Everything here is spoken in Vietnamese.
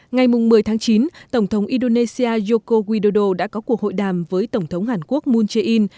ngày một mươi tháng chín tổng thống indonesia joko widodo đã có cuộc hội đàm với tổng thống hàn quốc moon jae in